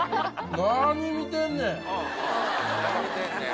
「なに見てんねん」